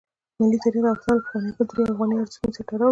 ملي تاریخ د افغانستان له پخوانیو کلتوري او افغاني ارزښتونو سره تړاو لري.